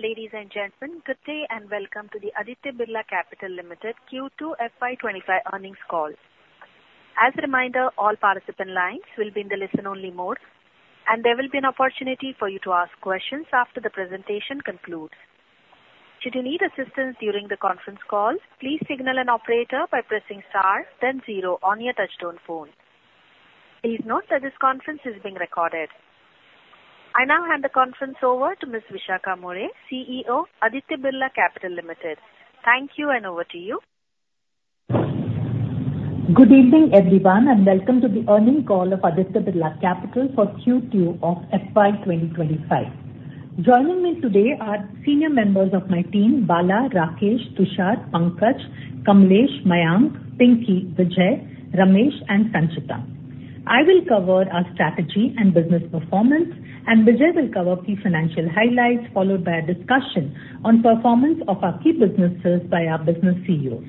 Ladies and gentlemen, good day and welcome to the Aditya Birla Capital Limited Q2 FY25 earnings call. As a reminder, all participant lines will be in the listen-only mode, and there will be an opportunity for you to ask questions after the presentation concludes. Should you need assistance during the conference call, please signal an operator by pressing star, then zero on your touch-tone phone. Please note that this conference is being recorded. I now hand the conference over to Ms. Vishakha Mulye, CEO, Aditya Birla Capital Limited. Thank you, and over to you. Good evening, everyone, and welcome to the earnings call of Aditya Birla Capital for Q2 of FY2025. Joining me today are senior members of my team: Bala, Rakesh, Tushar, Pankaj, Kamlesh, Mayank, Pinky, Vijay, Ramesh, and Sanchita. I will cover our strategy and business performance, and Vijay will cover key financial highlights, followed by a discussion on the performance of our key businesses by our business CEOs.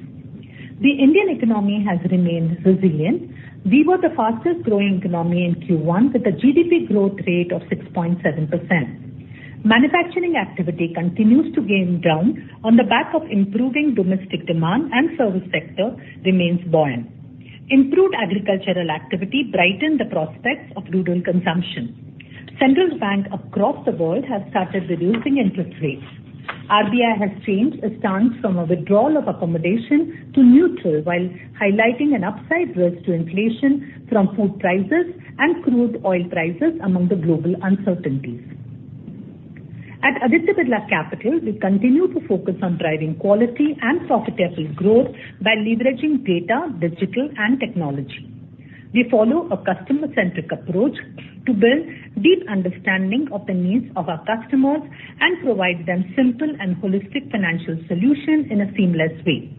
The Indian economy has remained resilient. We were the fastest-growing economy in Q1, with a GDP growth rate of 6.7%. Manufacturing activity continues to gain ground on the back of improving domestic demand, and the service sector remains buoyant. Improved agricultural activity brightens the prospects of rural consumption. Central banks across the world have started reducing interest rates. RBI has changed its stance from a withdrawal of accommodation to neutral, while highlighting an upside risk to inflation from food prices and crude oil prices among the global uncertainties. At Aditya Birla Capital, we continue to focus on driving quality and profitable growth by leveraging data, digital, and technology. We follow a customer-centric approach to build a deep understanding of the needs of our customers and provide them simple and holistic financial solutions in a seamless way.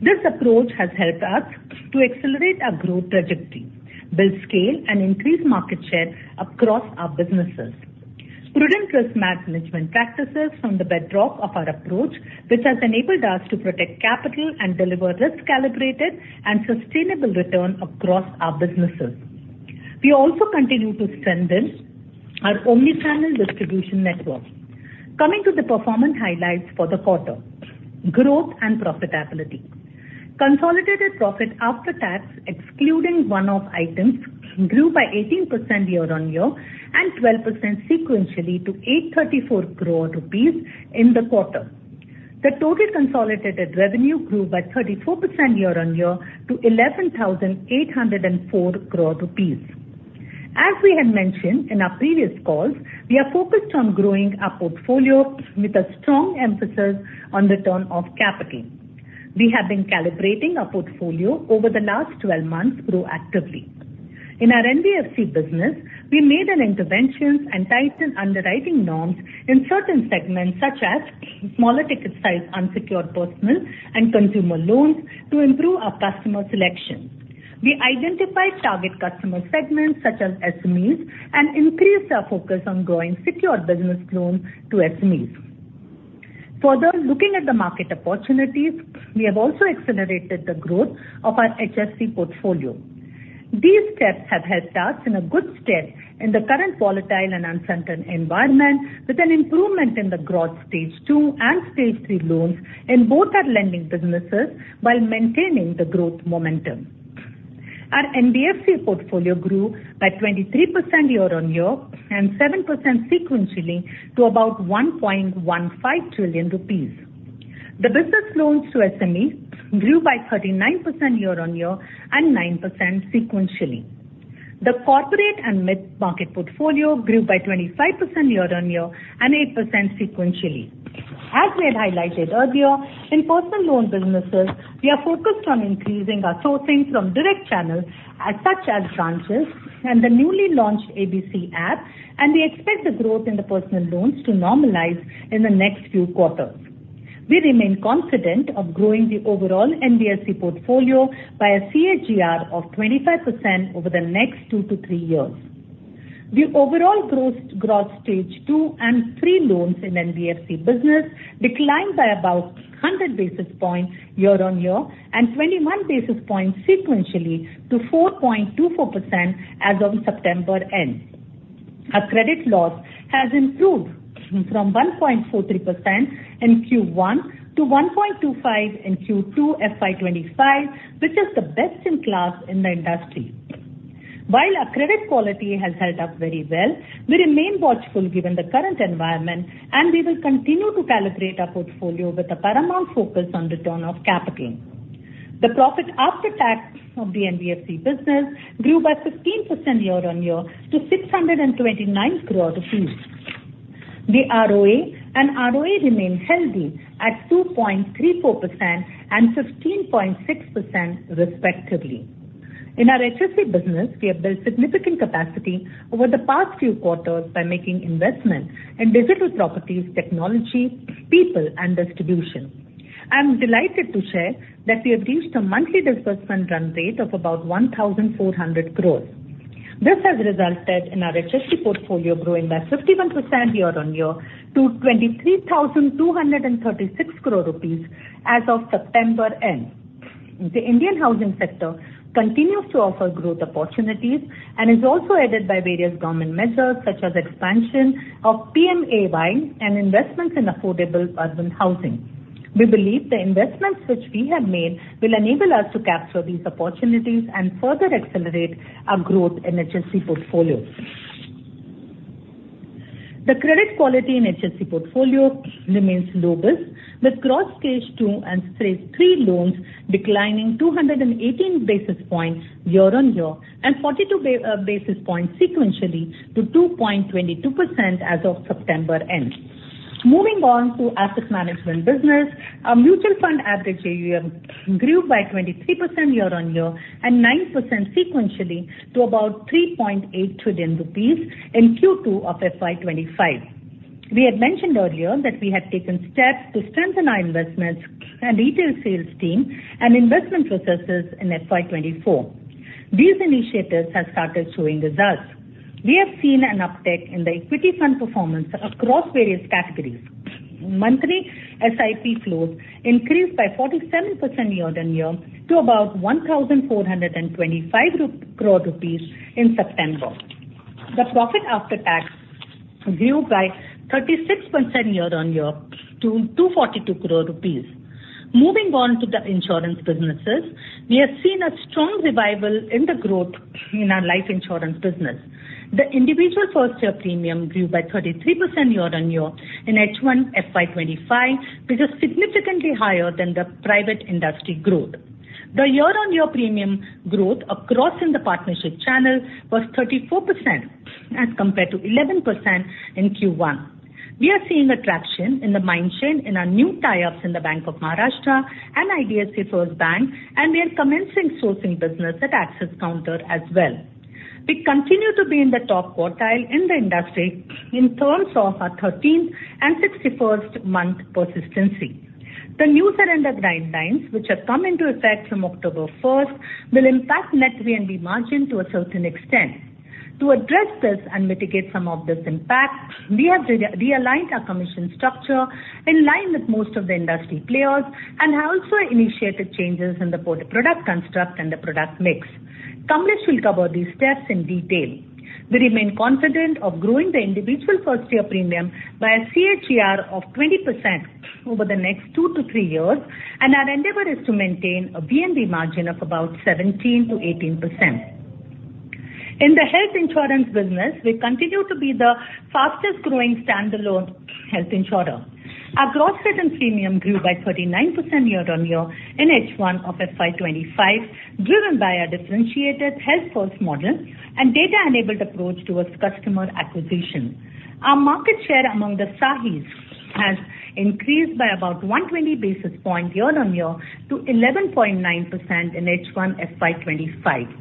This approach has helped us to accelerate our growth trajectory, build scale, and increase market share across our businesses. Prudent risk management practices are the bedrock of our approach, which has enabled us to protect capital and deliver risk-calibrated and sustainable returns across our businesses. We also continue to strengthen our omnichannel distribution network. Coming to the performance highlights for the quarter: growth and profitability. Consolidated profit after tax, excluding one-off items, grew by 18% year-on-year and 12% sequentially to 834 crore rupees in the quarter. The total consolidated revenue grew by 34% year-on-year to 11,804 crore rupees. As we had mentioned in our previous calls, we are focused on growing our portfolio with a strong emphasis on return on capital. We have been calibrating our portfolio over the last 12 months proactively. In our NBFC business, we made interventions and tightened underwriting norms in certain segments, such as smaller ticket size unsecured personal and consumer loans, to improve our customer selection. We identified target customer segments, such as SMEs, and increased our focus on growing secured business loans to SMEs. Further, looking at the market opportunities, we have also accelerated the growth of our HFC portfolio. These steps have helped us in a good step in the current volatile and uncertain environment, with an improvement in the growth of stage two and stage three loans in both our lending businesses while maintaining the growth momentum. Our NBFC portfolio grew by 23% year-on-year and 7% sequentially to about 1.15 trillion rupees. The business loans to SMEs grew by 39% year-on-year and 9% sequentially. The corporate and mid-market portfolio grew by 25% year-on-year and 8% sequentially. As we had highlighted earlier, in personal loan businesses, we are focused on increasing our sourcing from direct channels, such as branches and the newly launched ABCD app, and we expect the growth in the personal loans to normalize in the next few quarters. We remain confident in growing the overall NBFC portfolio by a CAGR of 25% over the next two to three years. The overall growth stage two and three loans in NBFC business declined by about 100 basis points year-on-year and 21 basis points sequentially to 4.24% as of September end. Our credit loss has improved from 1.43% in Q1 to 1.25% in Q2 FY25, which is the best in class in the industry. While our credit quality has held up very well, we remain watchful given the current environment, and we will continue to calibrate our portfolio with a paramount focus on return on capital. The profit after tax of the NBFC business grew by 15% year-on-year to 629 crore rupees. The ROA and ROE remain healthy at 2.34% and 15.6%, respectively. In our HFC business, we have built significant capacity over the past few quarters by making investments in digital properties, technology, people, and distribution. I am delighted to share that we have reached a monthly disbursement run rate of about 1,400 crore. This has resulted in our HFC portfolio growing by 51% year-on-year to 23,236 crore rupees as of September end. The Indian housing sector continues to offer growth opportunities and is also aided by various government measures, such as the expansion of PMAY and investments in affordable urban housing. We believe the investments which we have made will enable us to capture these opportunities and further accelerate our growth in the HFC portfolio. The credit quality in the HFC portfolio remains lowest, with gross stage 2 and stage 3 loans declining 218 basis points year-on-year and 42 basis points sequentially to 2.22% as of September end. Moving on to asset management business, our mutual fund average AUM grew by 23% year-on-year and 9% sequentially to about 3.8 trillion rupees in Q2 of FY25. We had mentioned earlier that we had taken steps to strengthen our investments and retail sales team and investment processes in FY24. These initiatives have started showing results. We have seen an uptick in the equity fund performance across various categories. Monthly SIP flows increased by 47% year-on-year to about 1,425 crore rupees in September. The profit after tax grew by 36% year-on-year to 242 crore rupees. Moving on to the insurance businesses, we have seen a strong revival in the growth in our life insurance business. The individual first-year premium grew by 33% year-on-year in H1 FY25, which is significantly higher than the private industry growth. The year-on-year premium growth across the partnership channel was 34%, as compared to 11% in Q1. We are seeing traction in the mainstream in our new tie-ups in the Bank of Maharashtra and IDFC First Bank, and we are commencing sourcing business at Axis counter as well. We continue to be in the top quartile in the industry in terms of our 13th and 61st month persistency. The new surrender guidelines, which have come into effect from October 1, will impact net VNB margin to a certain extent. To address this and mitigate some of this impact, we have realigned our commission structure in line with most of the industry players and have also initiated changes in the product construct and the product mix. Kamlesh will cover these steps in detail. We remain confident in growing the individual first-year premium by a CAGR of 20% over the next two to three years, and our endeavor is to maintain a VNB margin of about 17%-18%. In the health insurance business, we continue to be the fastest-growing standalone health insurer. Our gross written premium grew by 39% year-on-year in H1 of FY25, driven by our differentiated health-first model and data-enabled approach towards customer acquisition. Our market share among the SAHIS has increased by about 120 basis points year-on-year to 11.9% in H1 FY25.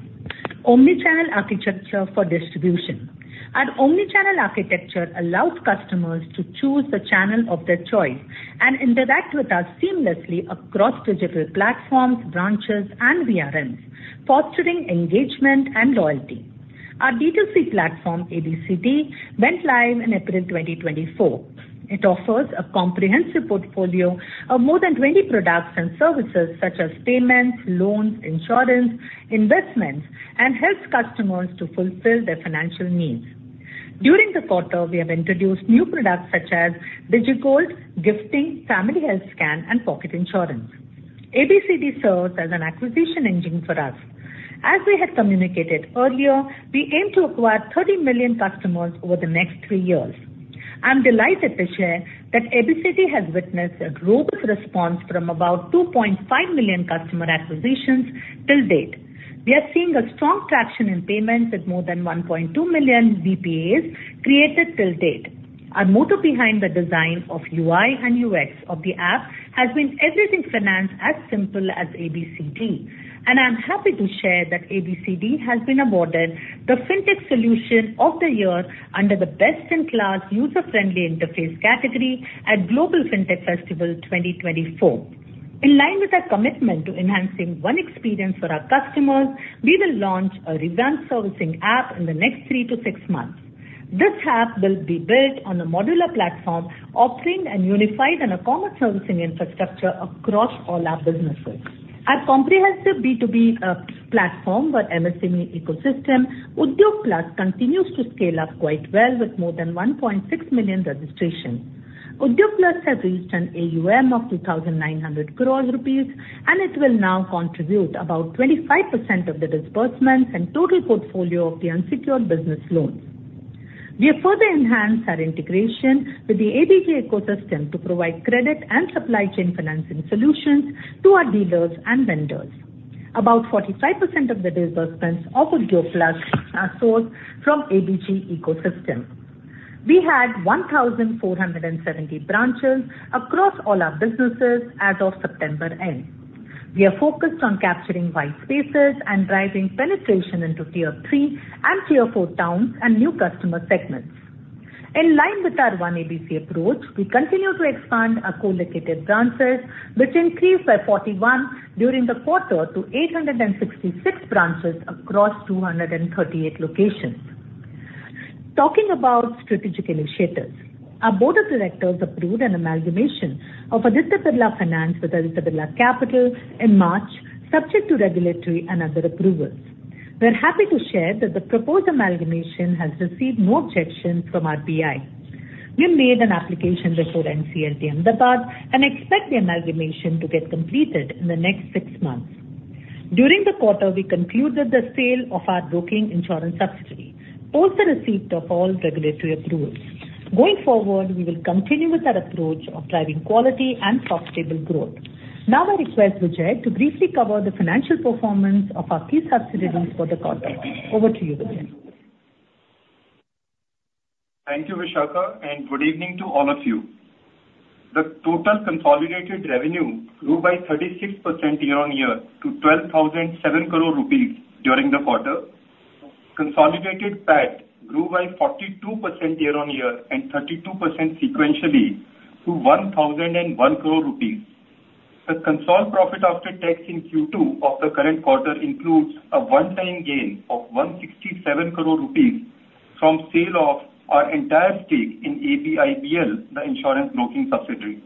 Omnichannel architecture for distribution. Our omnichannel architecture allows customers to choose the channel of their choice and interact with us seamlessly across digital platforms, branches, and VRMs, fostering engagement and loyalty. Our D2C platform, ABCD, went live in April 2024. It offers a comprehensive portfolio of more than 20 products and services, such as payments, loans, insurance, investments, and helps customers to fulfill their financial needs. During the quarter, we have introduced new products such as DigiGold, gifting, family health scan, and pocket insurance. ABCD serves as an acquisition engine for us. As we had communicated earlier, we aim to acquire 30 million customers over the next three years. I am delighted to share that ABCD has witnessed a growth response from about 2.5 million customer acquisitions till date. We are seeing a strong traction in payments with more than 1.2 million VPAs created till date. Our motto behind the design of UI and UX of the app has been everything finance as simple as ABCD, and I am happy to share that ABCD has been awarded the FinTech Solution of the Year under the Best in Class User-Friendly Interface category at Global FinTech Festival 2024. In line with our commitment to enhancing one experience for our customers, we will launch a revamped servicing app in the next three to six months. This app will be built on a modular platform, offering a unified and e-commerce servicing infrastructure across all our businesses. Our comprehensive B2B platform for MSME ecosystem, Udyog Plus, continues to scale up quite well with more than 1.6 million registrations. Udyog Plus has reached an AUM of 2,900 crore rupees, and it will now contribute about 25% of the disbursements and total portfolio of the unsecured business loans. We have further enhanced our integration with the ABG ecosystem to provide credit and supply chain financing solutions to our dealers and vendors. About 45% of the disbursements of Udyog Plus are sourced from ABG ecosystem. We had 1,470 branches across all our businesses as of September end. We are focused on capturing white spaces and driving penetration into tier three and tier four towns and new customer segments. In line with our one-ABC approach, we continue to expand our co-located branches, which increased by 41 during the quarter to 866 branches across 238 locations. Talking about strategic initiatives, our board of directors approved an amalgamation of Aditya Birla Finance with Aditya Birla Capital in March, subject to regulatory and other approvals. We are happy to share that the proposed amalgamation has received no objections from our RBI. We have made an application before NCLT Ahmedabad and expect the amalgamation to get completed in the next six months. During the quarter, we concluded the sale of our broking insurance subsidiary, and also received all regulatory approvals. Going forward, we will continue with our approach of driving quality and profitable growth. Now, I request Vijay to briefly cover the financial performance of our key subsidiaries for the quarter. Over to you, Vijay. Thank you, Vishakha, and good evening to all of you. The total consolidated revenue grew by 36% year-on-year to 12,007 crore rupees during the quarter. Consolidated PAT grew by 42% year-on-year and 32% sequentially to 1,001 crore rupees. The consolidated profit after tax in Q2 of the current quarter includes a one-time gain of 167 crore rupees from sale of our entire stake in ABIBL, the insurance broking subsidiary.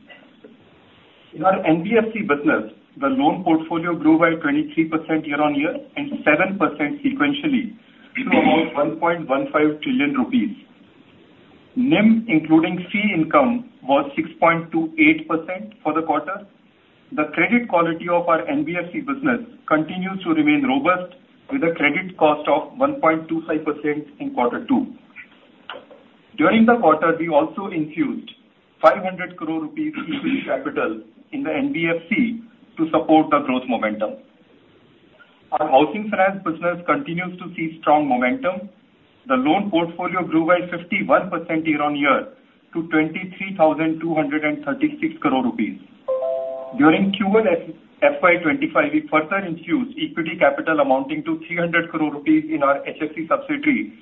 In our NBFC business, the loan portfolio grew by 23% year-on-year and 7% sequentially to about 1.15 trillion rupees. NIM, including fee income, was 6.28% for the quarter. The credit quality of our NBFC business continues to remain robust, with a credit cost of 1.25% in quarter two. During the quarter, we also infused 500 crore rupees equity capital in the NBFC to support the growth momentum. Our housing finance business continues to see strong momentum. The loan portfolio grew by 51% year-on-year to INR 23,236 crore. During Q1 FY25, we further infused equity capital amounting to 300 crore rupees in our HFC subsidiary,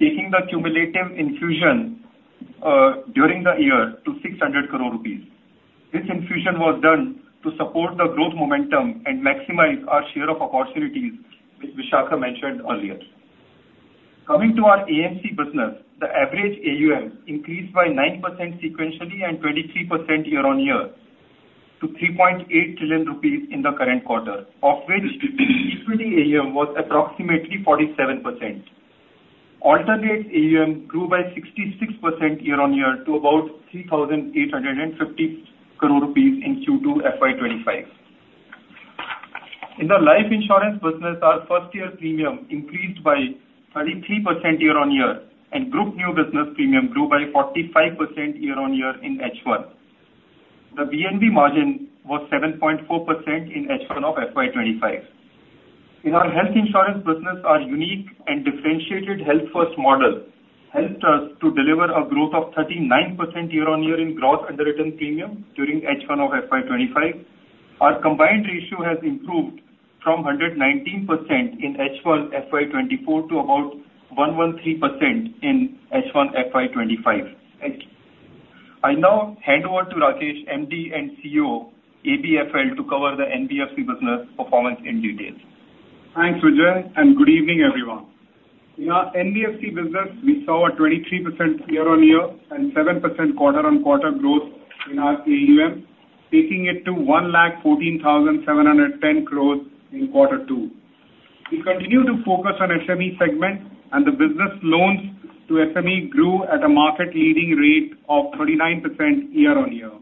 taking the cumulative infusion during the year to 600 crore rupees. This infusion was done to support the growth momentum and maximize our share of opportunities, which Vishakha mentioned earlier. Coming to our AMC business, the average AUM increased by 9% sequentially and 23% year-on-year to 3.8 trillion rupees in the current quarter, of which equity AUM was approximately 47%. Alternate AUM grew by 66% year-on-year to about 3,850 crore rupees in Q2 FY25. In the life insurance business, our first-year premium increased by 33% year-on-year, and group new business premium grew by 45% year-on-year in H1. The VNB margin was 7.4% in H1 of FY25. In our health insurance business, our unique and differentiated health-first model helped us to deliver a growth of 39% year-on-year in gross underwritten premium during H1 of FY25. Our combined ratio has improved from 119% in H1 FY24 to about 113% in H1 FY25. I now hand over to Rakesh, MD and CEO ABFL, to cover the NBFC business performance in detail. Thanks, Vijay, and good evening, everyone. In our NBFC business, we saw a 23% year-on-year and 7% quarter-on-quarter growth in our AUM, taking it to 1,14,710 crore in quarter two. We continue to focus on SME segment, and the business loans to SME grew at a market-leading rate of 39% year-on-year.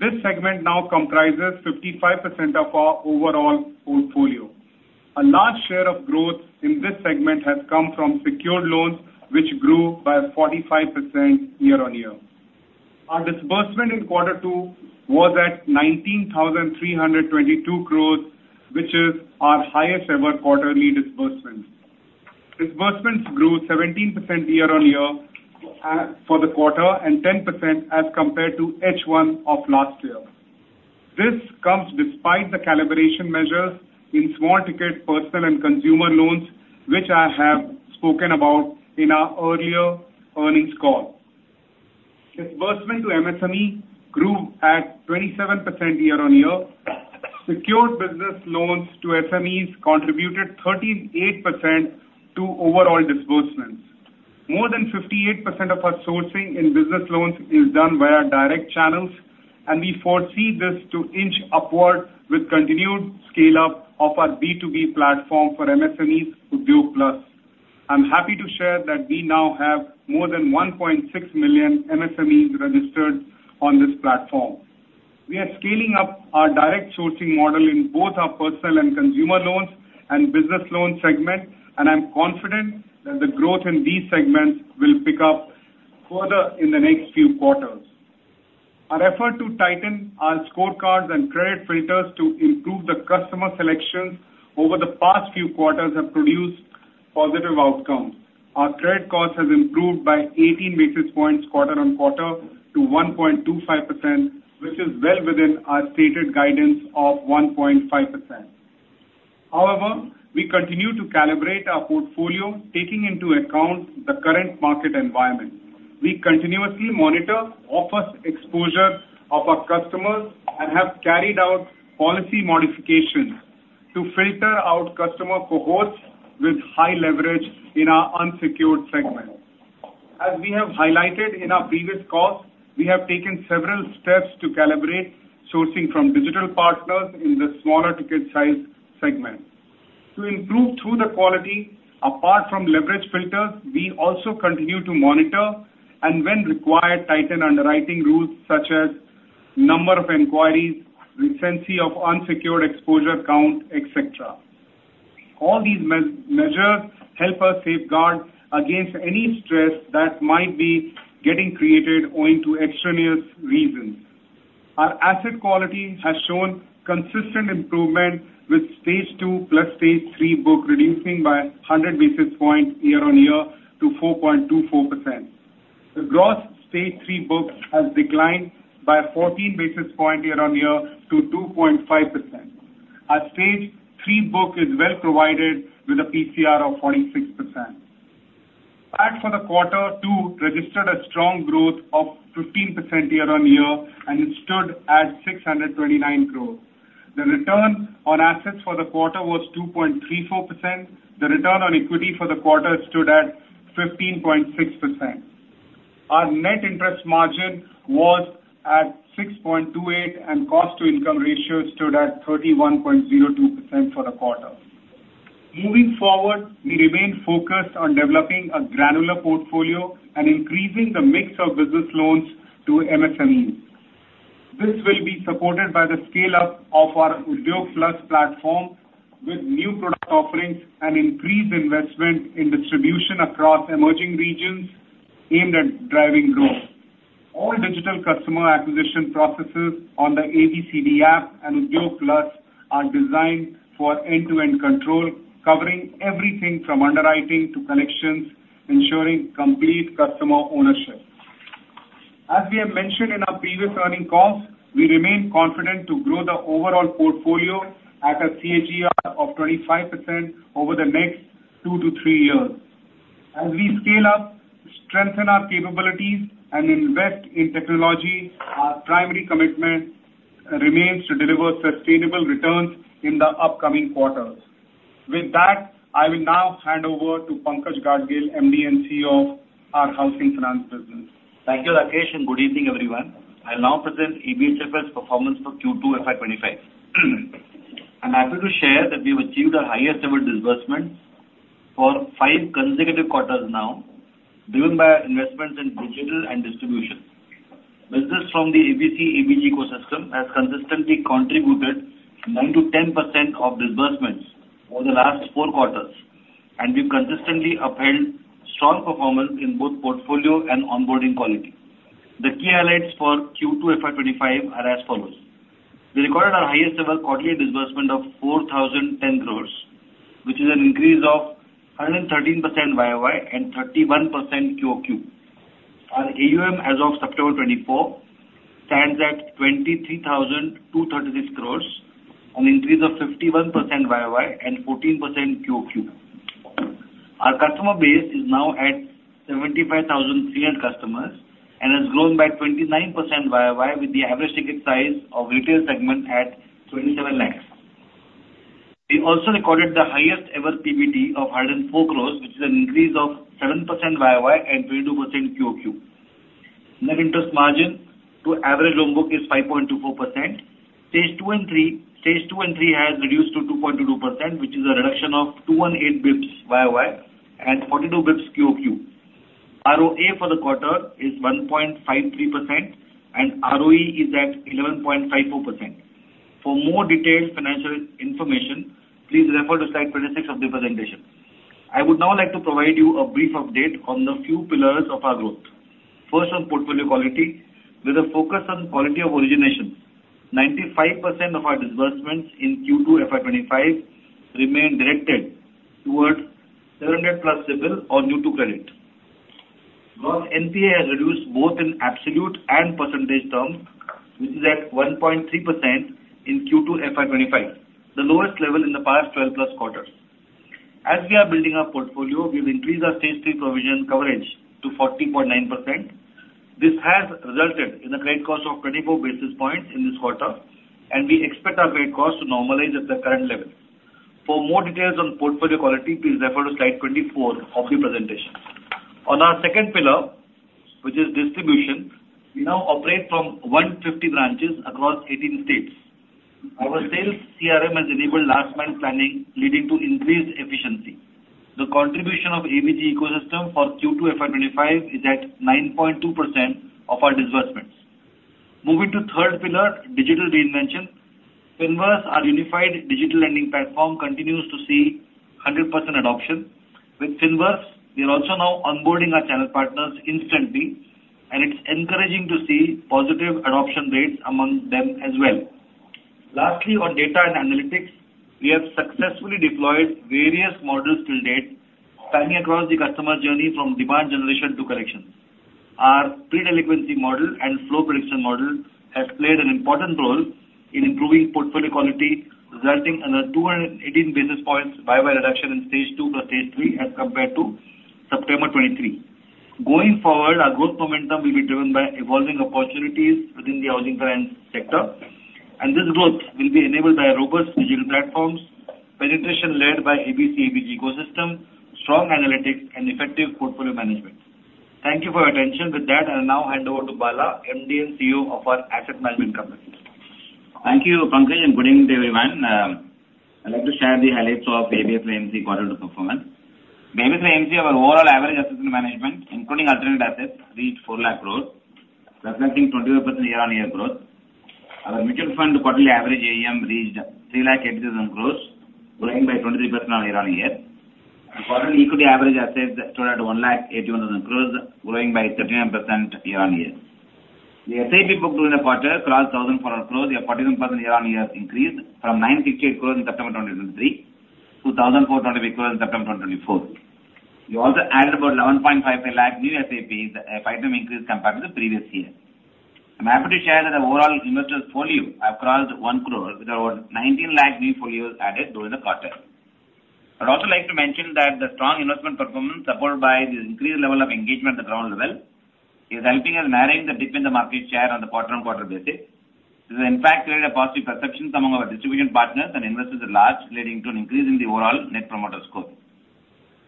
This segment now comprises 55% of our overall portfolio. A large share of growth in this segment has come from secured loans, which grew by 45% year-on-year. Our disbursement in quarter two was at 19,322 crore, which is our highest-ever quarterly disbursement. Disbursements grew 17% year-on-year for the quarter and 10% as compared to H1 of last year. This comes despite the calibration measures in small-ticket personal and consumer loans, which I have spoken about in our earlier earnings call. Disbursement to MSME grew at 27% year-on-year. Secured business loans to SMEs contributed 38% to overall disbursements. More than 58% of our sourcing in business loans is done via direct channels, and we foresee this to inch upward with continued scale-up of our B2B platform for MSMEs, Udyog Plus. I'm happy to share that we now have more than 1.6 million MSMEs registered on this platform. We are scaling up our direct sourcing model in both our personal and consumer loans and business loans segment, and I'm confident that the growth in these segments will pick up further in the next few quarters. Our effort to tighten our scorecards and credit filters to improve the customer selections over the past few quarters has produced positive outcomes. Our credit cost has improved by 18 basis points quarter-on-quarter to 1.25%, which is well within our stated guidance of 1.5%. However, we continue to calibrate our portfolio, taking into account the current market environment. We continuously monitor offers exposure of our customers and have carried out policy modifications to filter out customer cohorts with high leverage in our unsecured segment. As we have highlighted in our previous calls, we have taken several steps to calibrate sourcing from digital partners in the smaller-ticket size segment. To improve the quality, apart from leverage filters, we also continue to monitor and, when required, tighten underwriting rules such as number of inquiries, recency of unsecured exposure count, etc. All these measures help us safeguard against any stress that might be getting created owing to extraneous reasons. Our asset quality has shown consistent improvement with stage two plus stage three book reducing by 100 basis points year-on-year to 4.24%. The gross stage three book has declined by 14 basis points year-on-year to 2.5%. Our stage three book is well provided with a PCR of 46%. PAT for the quarter two registered a strong growth of 15% year-on-year and stood at 629 crore. The return on assets for the quarter was 2.34%. The return on equity for the quarter stood at 15.6%. Our net interest margin was at 6.28%, and cost-to-income ratio stood at 31.02% for the quarter. Moving forward, we remain focused on developing a granular portfolio and increasing the mix of business loans to MSMEs. This will be supported by the scale-up of our Udyog Plus platform with new product offerings and increased investment in distribution across emerging regions aimed at driving growth. All digital customer acquisition processes on the ABCD app and Udyog Plus are designed for end-to-end control, covering everything from underwriting to collections, ensuring complete customer ownership. As we have mentioned in our previous earnings calls, we remain confident to grow the overall portfolio at a CAGR of 25% over the next two to three years. As we scale up, strengthen our capabilities, and invest in technology, our primary commitment remains to deliver sustainable returns in the upcoming quarters. With that, I will now hand over to Pankaj Gadgil, MD and CEO of our housing finance business. Thank you, Rakesh, and good evening, everyone. I'll now present ABHFL's performance for Q2 FY25. I'm happy to share that we have achieved our highest-ever disbursement for five consecutive quarters now, driven by investments in digital and distribution. Business from the ABCD ABG ecosystem has consistently contributed 9%-10% of disbursements over the last four quarters, and we've consistently upheld strong performance in both portfolio and onboarding quality. The key highlights for Q2 FY25 are as follows. We recorded our highest-ever quarterly disbursement of 4,010 crores, which is an increase of 113% YOY and 31% QOQ. Our AUM as of September 24 stands at 23,236 crores, an increase of 51% YOY and 14% QOQ. Our customer base is now at 75,300 customers and has grown by 29% YOY, with the average ticket size of retail segment at 27 lakhs. We also recorded the highest-ever PBT of 104 crores, which is an increase of 7% YOY and 22% QOQ. Net interest margin to average loan book is 5.24%. Stage two and three has reduced to 2.22%, which is a reduction of 218 basis points YOY and 42 basis points QOQ. ROA for the quarter is 1.53%, and ROE is at 11.54%. For more detailed financial information, please refer to slide 26 of the presentation. I would now like to provide you a brief update on the few pillars of our growth. First, on portfolio quality, with a focus on quality of origination, 95% of our disbursements in Q2 FY25 remain directed towards 700-plus CIBIL or new-to-credit. Gross NPA has reduced both in absolute and percentage terms, which is at 1.3% in Q2 FY25, the lowest level in the past 12-plus quarters. As we are building our portfolio, we have increased our stage three provision coverage to 40.9%. This has resulted in a credit cost of 24 basis points in this quarter, and we expect our credit cost to normalize at the current level. For more details on portfolio quality, please refer to slide 24 of the presentation. On our second pillar, which is distribution, we now operate from 150 branches across 18 states. Our sales CRM has enabled last-mile planning, leading to increased efficiency. The contribution of ABG ecosystem for Q2 FY25 is at 9.2% of our disbursements. Moving to third pillar, digital reinvention, FinVerse's unified digital lending platform continues to see 100% adoption. With FinVerse, we are also now onboarding our channel partners instantly, and it's encouraging to see positive adoption rates among them as well. Lastly, on data and analytics, we have successfully deployed various models till date, spanning across the customer journey from demand generation to collections. Our pre-delinquency model and flow prediction model have played an important role in improving portfolio quality, resulting in a 218 basis points YOY reduction in stage two plus stage three as compared to September 2023. Going forward, our growth momentum will be driven by evolving opportunities within the housing finance sector, and this growth will be enabled by robust digital platforms, penetration led by ABCD ABG ecosystem, strong analytics, and effective portfolio management. Thank you for your attention. With that, I'll now hand over to Bala, MD and CEO of our asset management company. Thank you, Pankaj, and good evening to everyone. I'd like to share the highlights of ABSL AMC Q2 performance. The ABSL AMC, our overall average asset management, including alternate assets, reached 4 lakh crore, reflecting 25% year-on-year growth. Our mutual fund quarterly average AUM reached 380,000 crore, growing by 23% year-on-year. The quarterly equity average assets stood at 181,000 crore, growing by 39% year-on-year. The SIP book during the quarter crossed 1,400 crore, a 47% year-on-year increase from 968 crore in September 2023 to 1,428 crore in September 2024. We also added about 11.55 lakh new SIPs, a 5% increase compared to the previous year. I'm happy to share that the overall investor portfolio has crossed 1 crore, with about 19 lakh new folios added during the quarter. I'd also like to mention that the strong investment performance supported by the increased level of engagement at the ground level is helping us narrow the dip in the market share on the quarter-on-quarter basis. This has, in fact, created a positive perception among our distribution partners and investors at large, leading to an increase in the overall net promoter score.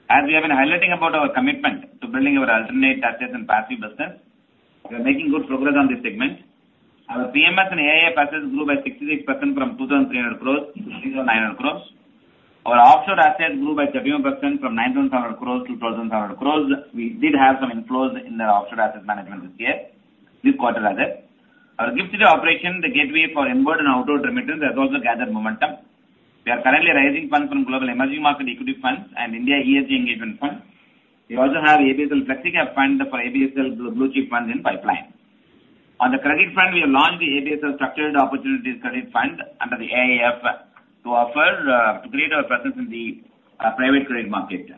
As we have been highlighting about our commitment to building our alternative assets and passive business, we are making good progress on this segment. Our PMS and AIF assets grew by 66% from 2,300 crore to 3,900 crore. Our offshore assets grew by 31% from 9,500 crore to 12,500 crore. We did have some inflows in the offshore asset management this year, mid-quarter as it. Our GIFT operation, the gateway for inbound and outbound remittance, has also gathered momentum. We are currently raising funds from Global Emerging Market Equity Funds and India ESG Engagement Fund. We also have ABSL Flexi Cap Fund for ABSL Bluechip Funds in pipeline. On the credit front, we have launched the ABSL Structured Opportunities Credit Fund under the AIF to create our presence in the private credit market.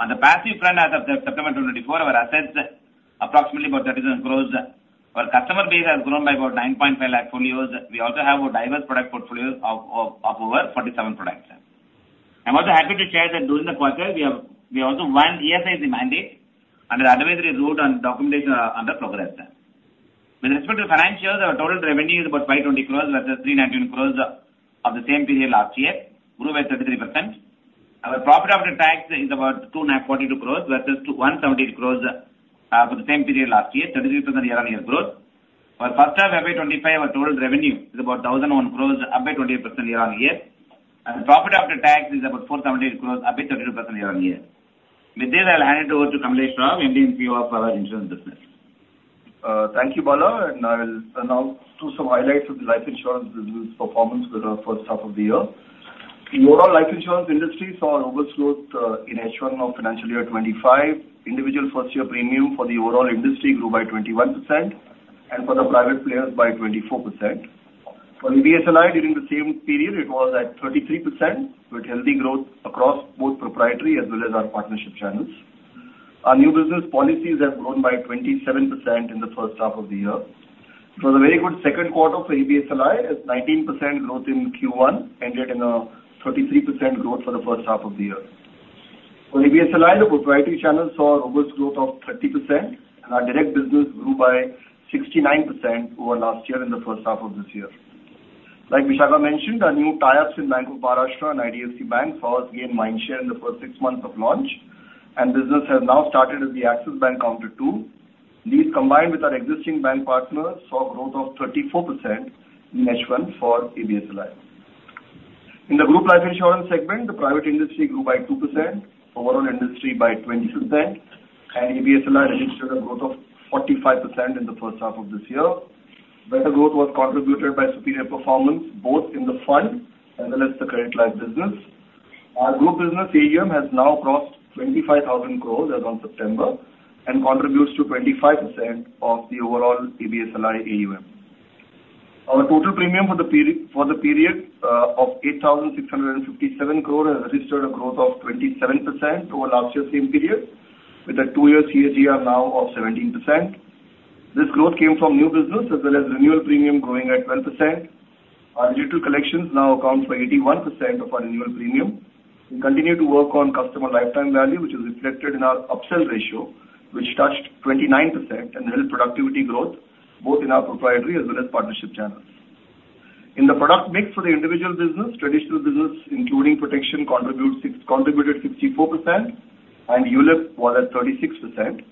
On the passive front, as of September 2024, our assets are approximately 37 crore. Our customer base has grown by about 9.5 lakh folios. We also have a diverse product portfolio of over 47 products. I'm also happy to share that during the quarter, we also won ESIC mandate under the advisory route and documentation under progress. With respect to the financials, our total revenue is about 520 crore, which is 391 crore of the same period last year, grew by 33%. Our profit after tax is about 242 crore, which is 178 crore for the same period last year, 33% year-on-year growth. For the first half of FY25, our total revenue is about 1,001 crore, up by 28% year-on-year. Profit after tax is about 478 crore, up by 32% year-on-year. With this, I'll hand it over to Kamlesh Rao, MD and CEO of our insurance business. Thank you, Bala. I will now do some highlights of the life insurance business performance for the first half of the year. The overall life insurance industry saw an upsurge in H1 of financial year 25. Individual first-year premium for the overall industry grew by 21%, and for the private players, by 24%. For ABSLI, during the same period, it was at 33%, with healthy growth across both proprietary as well as our partnership channels. Our new business policies have grown by 27% in the first half of the year. For the very good second quarter for ABSLI, it's 19% growth in Q1, ended in a 33% growth for the first half of the year. For ABSLI, the proprietary channel saw an overshoot of 30%, and our direct business grew by 69% over last year in the first half of this year. Like Vishakha mentioned, our new tie-ups in Bank of Maharashtra and IDFC Bank saw us gain mindshare in the first six months of launch, and business has now started at the Axis Bank counter too. These, combined with our existing bank partners, saw growth of 34% in H1 for ABSLI. In the group life insurance segment, the private industry grew by 2%, overall industry by 20%, and ABSLI registered a growth of 45% in the first half of this year. Better growth was contributed by superior performance, both in the fund as well as the credit-like business. Our group business AUM has now crossed 25,000 crore as of September and contributes to 25% of the overall ABSLI AUM. Our total premium for the period of 8,657 crore has registered a growth of 27% over last year's same period, with a two-year CAGR now of 17%. This growth came from new business as well as renewal premium growing at 12%. Our digital collections now account for 81% of our renewal premium. We continue to work on customer lifetime value, which is reflected in our upsell ratio, which touched 29%, and real productivity growth, both in our proprietary as well as partnership channels. In the product mix for the individual business, traditional business, including protection, contributed 64%, and ULIP was at 36%.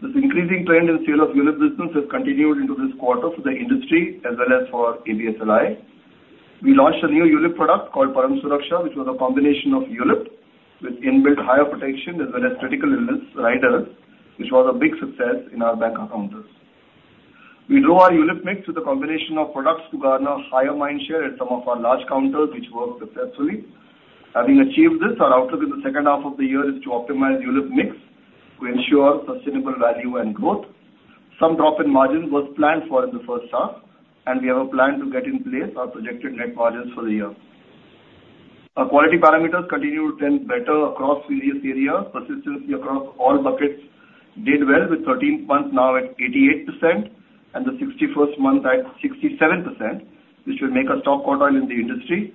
This increasing trend in sale of ULIP business has continued into this quarter for the industry as well as for ABSLI. We launched a new ULIP product called Param Suraksha, which was a combination of ULIP with inbuilt higher protection as well as critical illness riders, which was a big success in our bancassurance. We grew our ULIP mix with a combination of products to garner higher mindshare at some of our large counters, which worked successfully. Having achieved this, our outlook in the second half of the year is to optimize ULIP mix to ensure sustainable value and growth. Some drop in margins was planned for in the first half, and we have a plan to get in place our projected net margins for the year. Our quality parameters continue to trend better across various areas. Persistency across all buckets did well, with 13 months now at 88% and the 61st month at 67%, which will make a top quartile in the industry.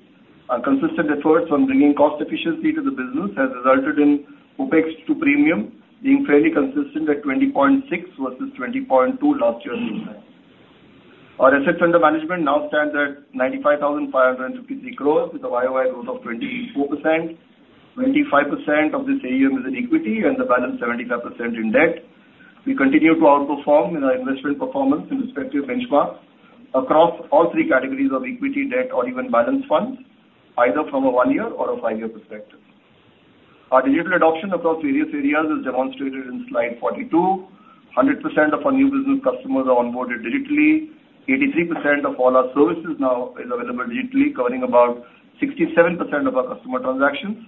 Our consistent efforts on bringing cost efficiency to the business have resulted in OPEX to premium being fairly consistent at 20.6 versus 20.2 last year's season. Our assets under management now stand at 95,553 crore, with a YOI growth of 24%. 25% of this AUM is in equity, and the balance 75% in debt. We continue to outperform in our investment performance in respective benchmarks across all three categories of equity, debt, or even balanced funds, either from a one-year or a five-year perspective. Our digital adoption across various areas is demonstrated in slide 42. 100% of our new business customers are onboarded digitally. 83% of all our services now is available digitally, covering about 67% of our customer transactions.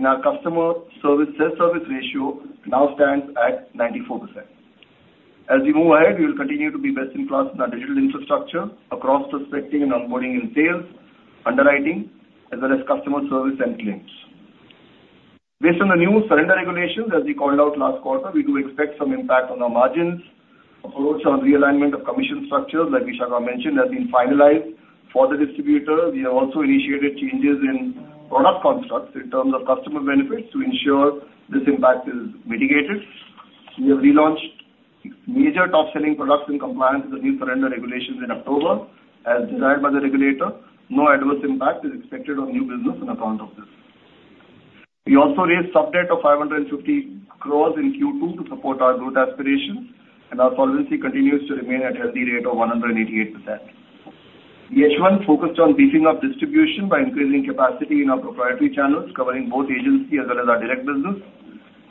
Our customer service sales service ratio now stands at 94%. As we move ahead, we will continue to be best in class in our digital infrastructure across prospecting and onboarding in sales, underwriting, as well as customer service and claims. Based on the new surrender regulations, as we called out last quarter, we do expect some impact on our margins. Approach on realignment of commission structures, like Vishakha mentioned, has been finalized for the distributor. We have also initiated changes in product constructs in terms of customer benefits to ensure this impact is mitigated. We have relaunched major top-selling products in compliance with the new surrender regulations in October, as desired by the regulator. No adverse impact is expected on new business on account of this. We also raised sub-debt of 550 crore in Q2 to support our growth aspirations, and our solvency continues to remain at a healthy rate of 188%. The H1 focused on beefing up distribution by increasing capacity in our proprietary channels, covering both agency as well as our direct business.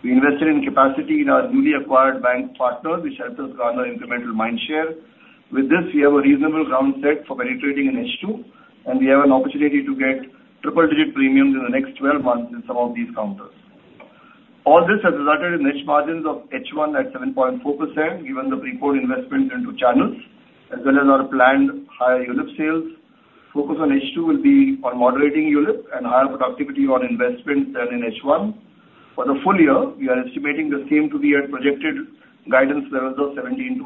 We invested in capacity in our newly acquired bank partners, which helped us garner incremental mindshare. With this, we have a reasonable groundwork set for penetrating in H2, and we have an opportunity to get triple-digit premiums in the next 12 months in some of these counters. All this has resulted in VNB margins of H1 at 7.4%, given the upfront investments into channels, as well as our planned higher ULIP sales. Focus on H2 will be on moderating ULIP and higher productivity on investments than in H1. For the full year, we are estimating the same to be at projected guidance levels of 17%-18%.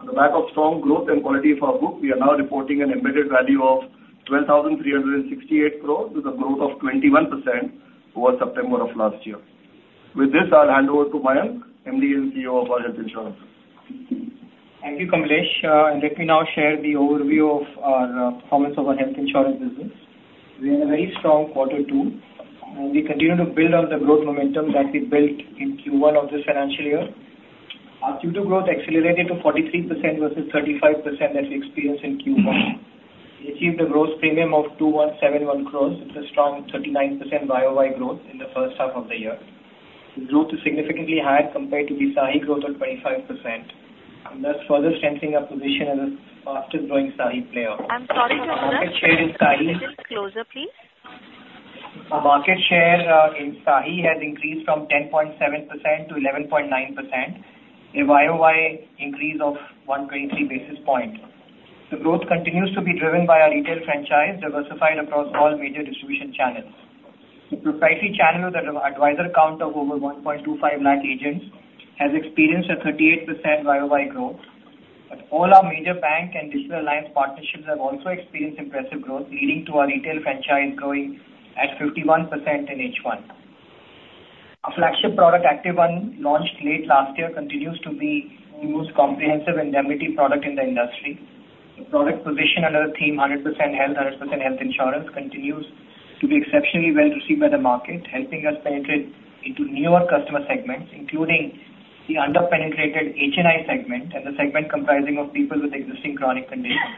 On the back of strong growth and quality of our book, we are now reporting an embedded value of 12,368 crore with a growth of 21% over September of last year. With this, I'll hand over to Mayank, MD and CEO of our health insurance. Thank you, Kamlesh, and let me now share the overview of our performance of our health insurance business. We had a very strong quarter two, and we continue to build on the growth momentum that we built in Q1 of this financial year. Our Q2 growth accelerated to 43% versus 35% that we experienced in Q1. We achieved a gross premium of 2,171 crore with a strong 39% YOY growth in the first half of the year. The growth is significantly higher compared to the health growth of 25%, and thus further strengthening our position as a fastest-growing health player. I'm sorry to interrupt. Our market share in health has increased from 10.7% to 11.9%, a YOY increase of 123 basis points. The growth continues to be driven by our retail franchise, diversified across all major distribution channels. The proprietary channel with an advisor count of over 1.25 lakh agents has experienced a 38% YOY growth. All our major bank and digital alliance partnerships have also experienced impressive growth, leading to our retail franchise growing at 51% in H1. Our flagship product, Activ One, launched late last year, continues to be the most comprehensive indemnity product in the industry. The product position under the theme "100% health, 100% health insurance" continues to be exceptionally well received by the market, helping us penetrate into newer customer segments, including the under-penetrated HNI segment and the segment comprising of people with existing chronic conditions.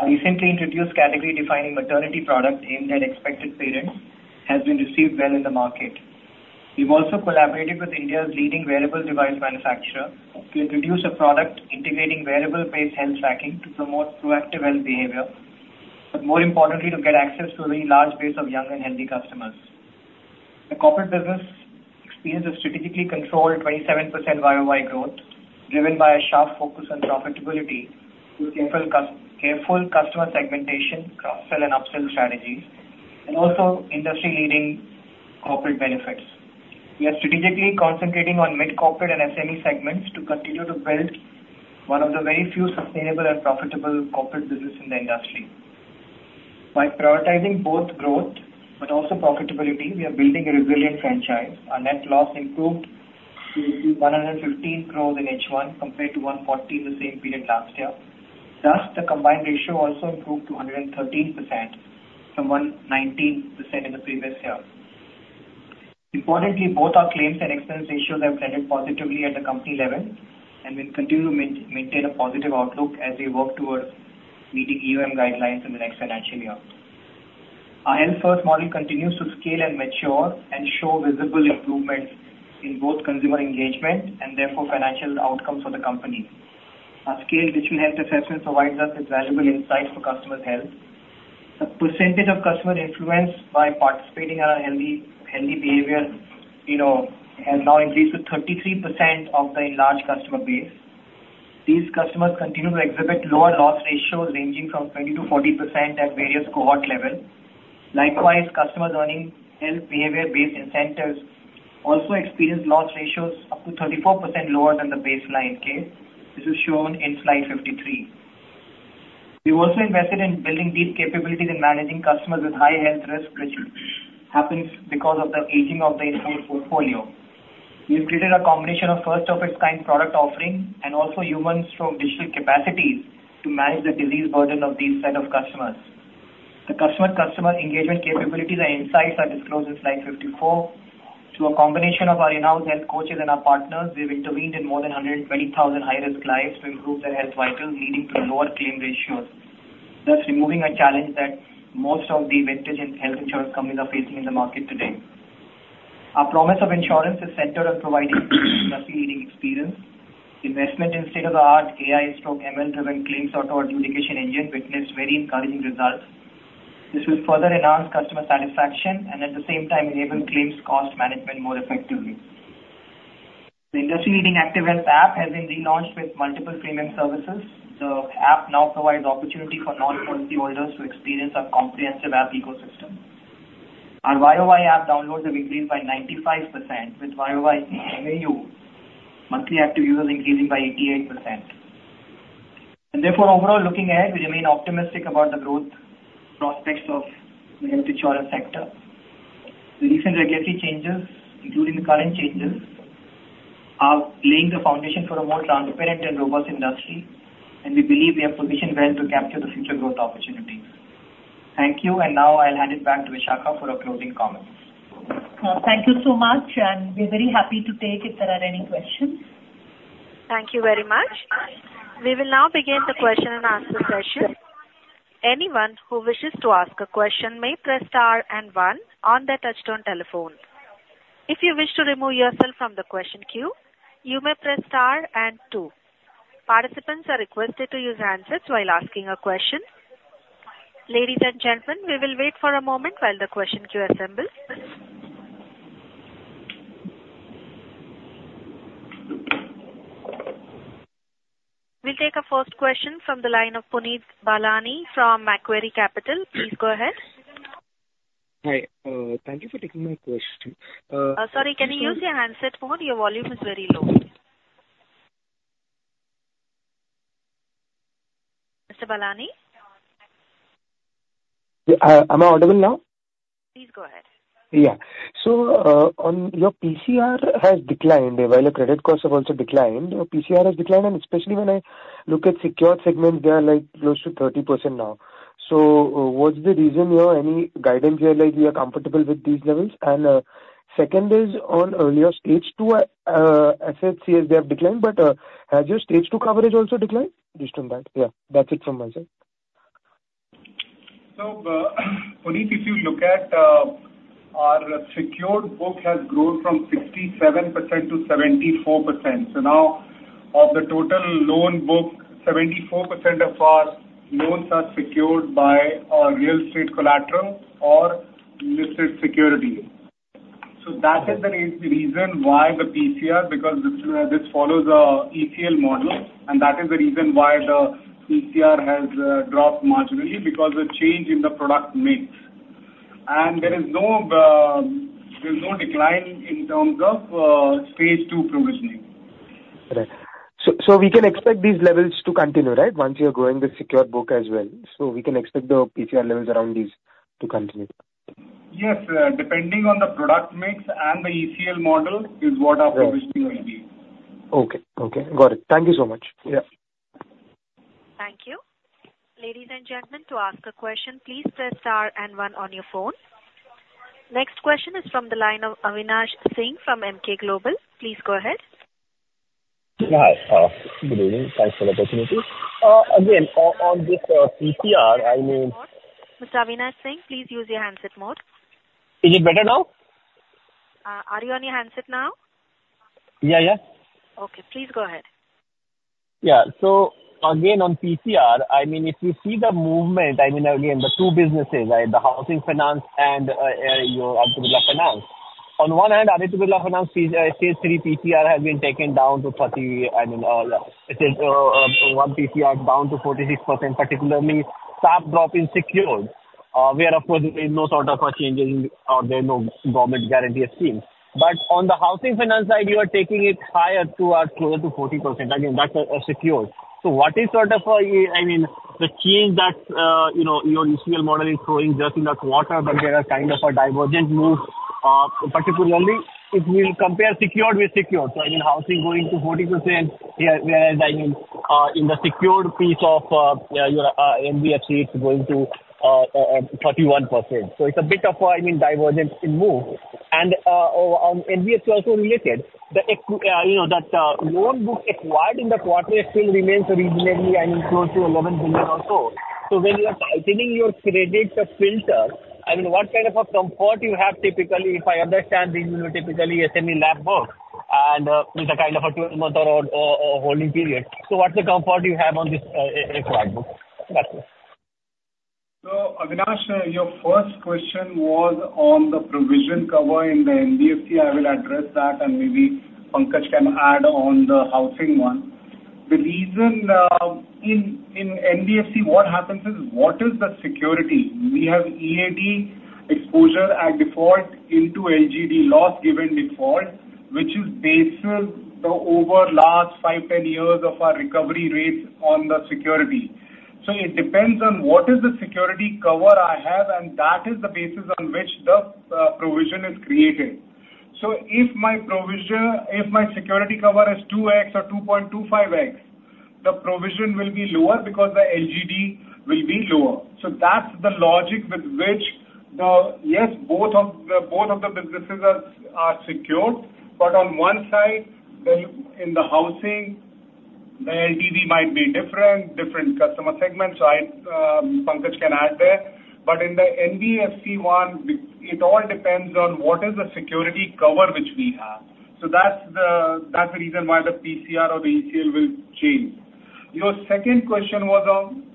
Our recently introduced category-defining maternity product aimed at expected parents has been received well in the market. We've also collaborated with India's leading wearable device manufacturer to introduce a product integrating wearable-based health tracking to promote proactive health behavior, but more importantly, to get access to a very large base of young and healthy customers. The corporate business experiences strategically controlled 27% YOY growth, driven by a sharp focus on profitability with careful customer segmentation, cross-sell, and upsell strategies, and also industry-leading corporate benefits. We are strategically concentrating on mid-corporate and SME segments to continue to build one of the very few sustainable and profitable corporate businesses in the industry. By prioritizing both growth but also profitability, we are building a resilient franchise. Our net loss improved to 115 crore in H1 compared to 140 in the same period last year. Thus, the combined ratio also improved to 113% from 119% in the previous year. Importantly, both our claims and expense ratios have trended positively at the company level, and we will continue to maintain a positive outlook as we work towards meeting EOM guidelines in the next financial year. Our Health First model continues to scale and mature and show visible improvements in both consumer engagement and therefore financial outcomes for the company. Our scale, which we have to assess and provide us with valuable insights for customers' health. The percentage of customer influence by participating in our healthy behavior has now increased to 33% of the enlarged customer base. These customers continue to exhibit lower loss ratios ranging from 20%-40% at various cohort levels. Likewise, customers earning health behavior-based incentives also experience loss ratios up to 34% lower than the baseline case. This is shown in slide 53. We've also invested in building deep capabilities in managing customers with high health risk, which happens because of the aging of the input portfolio. We've created a combination of first-of-its-kind product offering and also human-strong digital capacities to manage the disease burden of these set of customers. The customer-to-customer engagement capabilities and insights are disclosed in slide 54. Through a combination of our in-house health coaches and our partners, we've intervened in more than 120,000 high-risk clients to improve their health vitals, leading to lower claim ratios, thus removing a challenge that most of the vintage health insurance companies are facing in the market today. Our promise of insurance is centered on providing industry-leading experience. Investment in state-of-the-art AI and ML-driven claims auto adjudication engine witnessed very encouraging results. This will further enhance customer satisfaction and, at the same time, enable claims cost management more effectively. The industry-leading Activ One app has been relaunched with multiple premium services. The app now provides opportunity for non-policy holders to experience our comprehensive app ecosystem. Our YOY app downloads have increased by 95%, with YOY monthly active users increasing by 88%. Therefore, overall looking ahead, we remain optimistic about the growth prospects of the health insurance sector. The recent regulatory changes, including the current changes, are laying the foundation for a more transparent and robust industry, and we believe we have positioned well to capture the future growth opportunities. Thank you, and now I'll hand it back to Vishakha for her closing comments. Thank you so much, and we're very happy to take it if there are any questions. Thank you very much. We will now begin the question and answer session. Anyone who wishes to ask a question may press star and one on the touch-tone telephone. If you wish to remove yourself from the question queue, you may press star and two. Participants are requested to use handsets while asking a question. Ladies and gentlemen, we will wait for a moment while the question queue assembles. We'll take a first question from the line of Puneet Balani from Macquarie Capital. Please go ahead. Hi. Thank you for taking my question. Sorry, can you use your handset phone? Your volume is very low. Mr. Balani? Am I audible now? Please go ahead. Yeah. So your PCR has declined, while your credit costs have also declined. PCR has declined, and especially when I look at secured segments, they are close to 30% now. So what's the reason here? Any guidance here like you are comfortable with these levels? And second is, on earlier stage two, I said GS2 declined, but has your stage two coverage also declined? Just on that. Yeah. That's it from my side. So Puneet, if you look at our secured book has grown from 67%-74%. So now, of the total loan book, 74% of our loans are secured by real estate collateral or listed security. So that is the reason why the PCR, because this follows an ECL model, and that is the reason why the PCR has dropped marginally, because the change in the product mix. And there is no decline in terms of stage two provisioning. Correct. So we can expect these levels to continue, right, once you're growing the secured book as well? So we can expect the PCR levels around these to continue. Yes. Depending on the product mix and the ECL model is what our provisioning will be. Okay. Okay. Got it. Thank you so much. Yeah. Thank you. Ladies and gentlemen, to ask a question, please press star and one on your phone. Next question is from the line of Avinash Singh from Emkay Global. Please go ahead. Hi. Good evening. Thanks for the opportunity. Again, on this PCR, I mean. Mr. Avinash Singh, please use your handset mode. Is it better now? Are you on your handset now? Yeah, yeah. Okay. Please go ahead. Yeah. So again, on PCR, I mean, if you see the movement, I mean, again, the two businesses, the housing finance and your Aditya Birla Finance. On one hand, Aditya Birla Finance stage three PCR has been taken down to 30%. I mean, overall PCR down to 46%, particularly sharp drop in secured, where, of course, there is no sort of changes or there are no government guarantee schemes. But on the housing finance side, you are taking it higher to close to 40%. I mean, that's secured. So what is sort of, I mean, the change that your ECL model is showing just in that quarter, but there is kind of a divergent move, particularly if we compare secured with secured. So I mean, housing going to 40%, whereas I mean, in the secured piece of NBFC, it's going to 31%. So it's a bit of a, I mean, divergent move. And NBFC also related, that loan book acquired in the quarter still remains outstanding, I mean, close to 11 billion or so. So when you are tightening your credit filter, I mean, what kind of a comfort you have typically, if I understand, you will typically assemble loan books with a kind of a 12-month or holding period. So what's the comfort you have on this acquired book? That's it. So Avinash, your first question was on the provision cover in the NBFC. I will address that, and maybe Pankaj can add on the housing one. The reason in NBFC, what happens is, what is the security? We have EAD exposure at default into LGD loss given default, which is based over the last 5, 10 years of our recovery rates on the security. So it depends on what is the security cover I have, and that is the basis on which the provision is created. So if my security cover is 2X or 2.25X, the provision will be lower because the LGD will be lower. So that's the logic with which, yes, both of the businesses are secured, but on one side, in the housing, the LGD might be different, different customer segments. Pankaj can add there. But in the NBFC one, it all depends on what is the security cover which we have. So that's the reason why the PCR or the ECL will change. Your second question was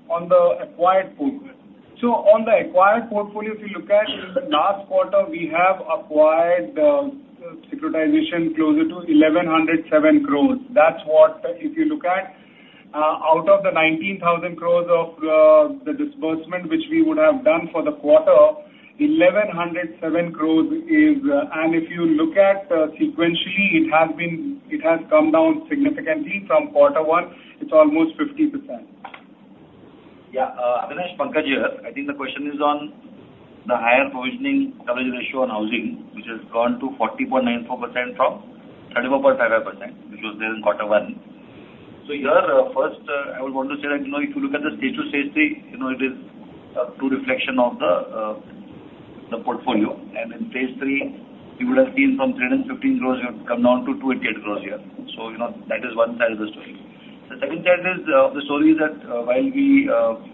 on the acquired portfolio. So on the acquired portfolio, if you look at it, last quarter, we have acquired the securitization closer to 1,107 crores. That's what, if you look at, out of the 19,000 crores of the disbursement which we would have done for the quarter, 1,107 crores is. And if you look at sequentially, it has come down significantly from quarter one. It's almost 50%. Yeah. Avinash, Pankaj, I think the question is on the higher provisioning coverage ratio on housing, which has gone to 40.94% from 34.55%, which was there in quarter one. So here, first, I would want to say that if you look at the stage two, stage three, it is a true reflection of the portfolio. And in stage three, you would have seen from 315 crores, you have come down to 288 crores here. So that is one side of the story. The second side of the story is that while we use the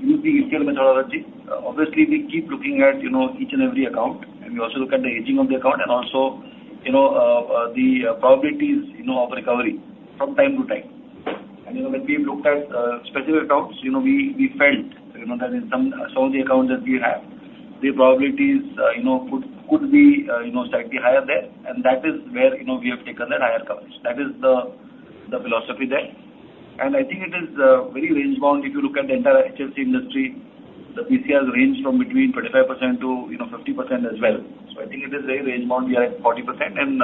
ECL methodology, obviously, we keep looking at each and every account, and we also look at the aging of the account and also the probabilities of recovery from time to time. When we looked at specific accounts, we felt that in some of the accounts that we have, the probabilities could be slightly higher there, and that is where we have taken that higher coverage. That is the philosophy there. I think it is very range-bound. If you look at the entire HFC industry, the PCRs range from between 25%-50% as well. I think it is very range-bound. We are at 40%, and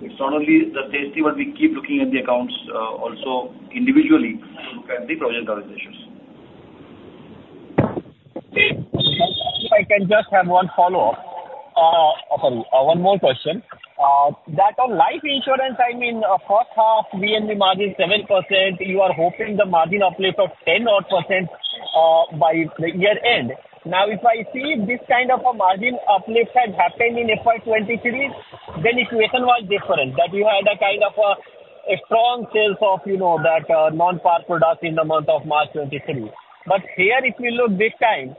it's not only the stage three, but we keep looking at the accounts also individually to look at the provisioning coverage issues. If I can just have one follow-up. Sorry, one more question. That on life insurance, I mean, first half, VNB margin 7%. You are hoping the margin uplift of 10% by the year end. Now, if I see this kind of a margin uplift had happened in April 2023, then the equation was different. That you had a kind of a strong sales of that non-par product in the month of March 2023. But here, if we look this time,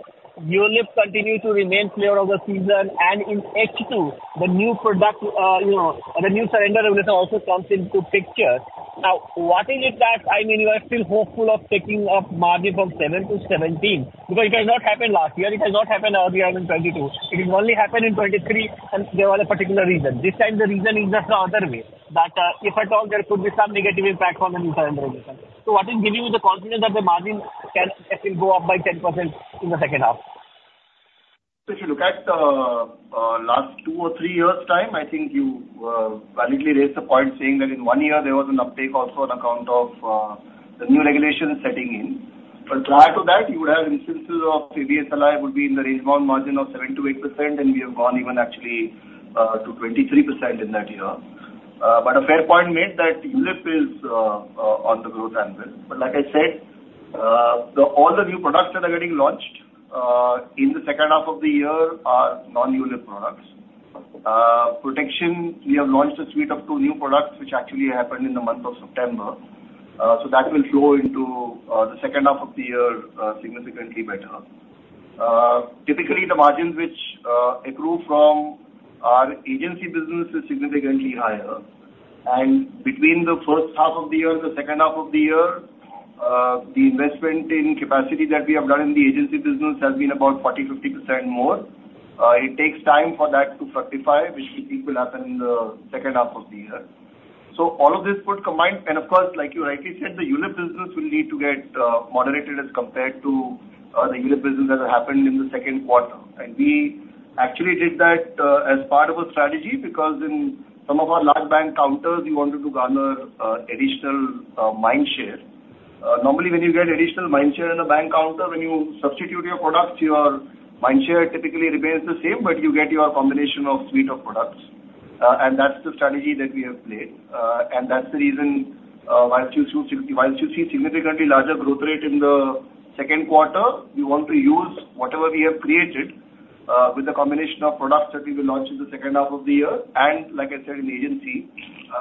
your ULIP continues to remain flavor of the season, and in H2, the new product or the new surrender regulation also comes into picture. Now, what is it that, I mean, you are still hopeful of taking up margin from 7% to 17%? Because it has not happened last year. It has not happened earlier in 2022. It has only happened in 2023, and there was a particular reason. This time, the reason is just the other way. That if at all, there could be some negative impact on the new surrender regulation. So what is giving you the confidence that the margin can go up by 10% in the second half? If you look at the last two or three years' time, I think you validly raised the point saying that in one year, there was an uptick also on account of the new regulation setting in. But prior to that, you would have instances of ABSLI would be in the range-bound margin of 7%-8%, and we have gone even actually to 23% in that year. But a fair point made that ULIP is on the growth angle. But like I said, all the new products that are getting launched in the second half of the year are non-ULIP products. Protection, we have launched a suite of two new products, which actually happened in the month of September. So that will flow into the second half of the year significantly better. Typically, the margins which accrue from our agency business is significantly higher. And between the first half of the year and the second half of the year, the investment in capacity that we have done in the agency business has been about 40%-50% more. It takes time for that to fructify, which will happen in the second half of the year. So all of this would combine, and of course, like you rightly said, the ULIP business will need to get moderated as compared to the ULIP business that happened in the second quarter. We actually did that as part of a strategy because in some of our large bank counters, we wanted to garner additional mind share. Normally, when you get additional mind share in a bank counter, when you substitute your products, your mind share typically remains the same, but you get your combination of suite of products. That's the strategy that we have played. That's the reason why you see significantly larger growth rate in the second quarter. We want to use whatever we have created with the combination of products that we will launch in the second half of the year. Like I said, in agency,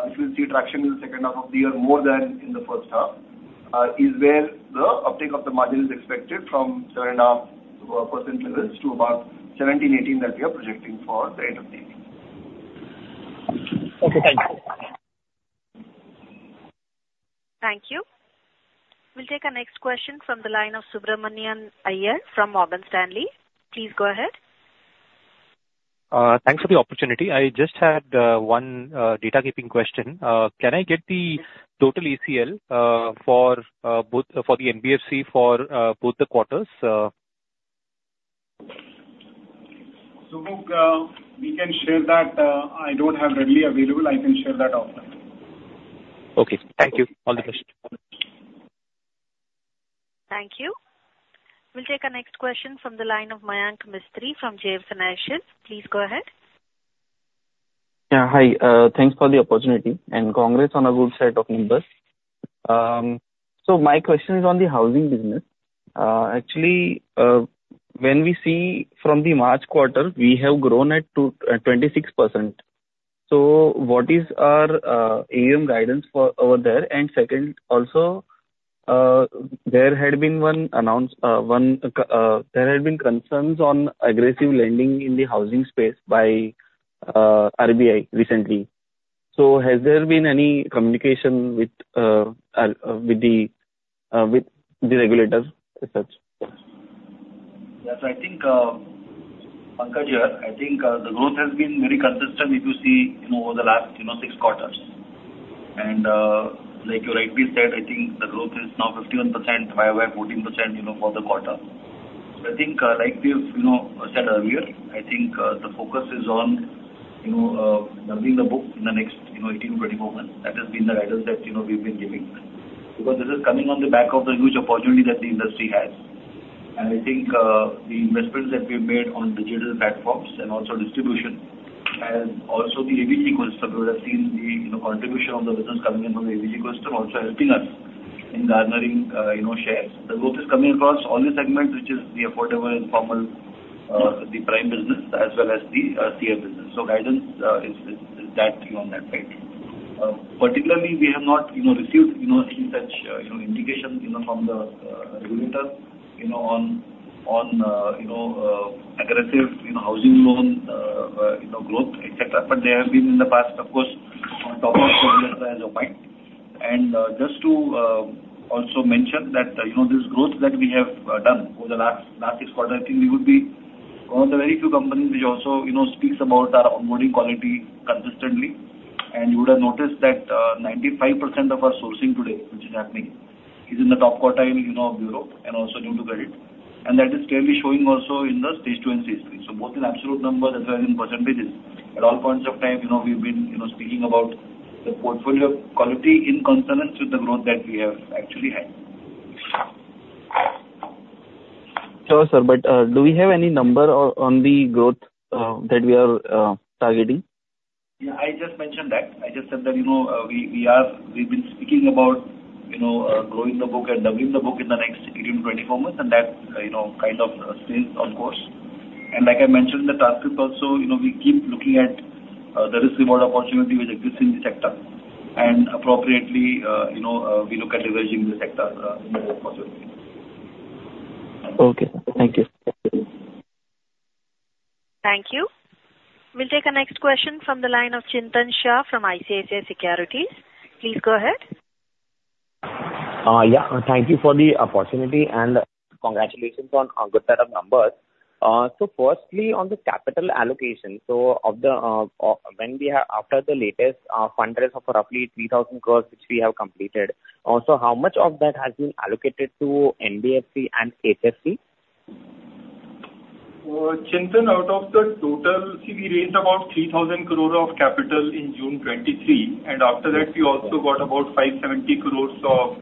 which will see traction in the second half of the year more than in the first half, is where the uptake of the margin is expected from 7.5% levels to about 17%-18% that we are projecting for the end of the year. Okay. Thank you. Thank you. We'll take the next question from the line of Subramanian Iyer from Morgan Stanley. Please go ahead. Thanks for the opportunity. I just had one data point question. Can I get the total ECL for the NBFC for both the quarters? So we can share that. I don't have it readily available. I can share that offline. Okay. Thank you. All the best. Thank you. We'll take the next question from the line of Mayank Mistry from JM Financial. Please go ahead. Yeah. Hi. Thanks for the opportunity. And congrats on a good set of numbers. So my question is on the housing business. Actually, when we see from the March quarter, we have grown at 26%. So what is our AUM guidance over there? And second, also, there had been announcements; there had been concerns on aggressive lending in the housing space by RBI recently. So has there been any communication with the regulator as such? Yes. I think, Pankaj, the growth has been very consistent if you see over the last six quarters. And like you rightly said, the growth is now 51%, YoY 14% for the quarter. So I think, like we've said earlier, the focus is on building the book in the next 18-24 months. That has been the guidance that we've been giving. Because this is coming on the back of the huge opportunity that the industry has. I think the investments that we've made on digital platforms and also distribution has also the ABCD cluster would have seen the contribution of the business coming in from the ABCD cluster also helping us in garnering shares. The growth is coming across all the segments, which is the affordable, informal, the prime business, as well as the CF business. So guidance is that on that side. Particularly, we have not received any such indication from the regulator on aggressive housing loan growth, etc. But there have been in the past, of course, on top of the investor standpoint. Just to also mention that this growth that we have done over the last six quarters, I think we would be one of the very few companies which also speaks about our onboarding quality consistently. You would have noticed that 95% of our sourcing today, which is happening, is in the top quartile of borrowers and also due to credit. That is clearly showing also in the stage two and stage three. Both in absolute numbers as well as in percentages. At all points of time, we've been speaking about the portfolio quality in consonance with the growth that we have actually had. Sure, sir. Do we have any number on the growth that we are targeting? Yeah. I just mentioned that. I just said that we've been speaking about growing the book and doubling the book in the next 18-24 months, and that kind of stays on course. Like I mentioned in the transcript also, we keep looking at the risk-reward opportunity which exists in the sector. And appropriately, we look at leveraging the sector in the next quarter. Okay. Thank you. Thank you. We'll take the next question from the line of Chintan Shah from ICICI Securities. Please go ahead. Yeah. Thank you for the opportunity and congratulations on a good set of numbers. So firstly, on the capital allocation, so when we have after the latest fundraise of roughly 3,000 crores, which we have completed, so how much of that has been allocated to NBFC and HFC? Chintan, out of the total, we raised about 3,000 crores of capital in June 2023. And after that, we also got about 570 crores of